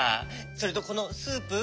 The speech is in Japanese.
それとこのスープ？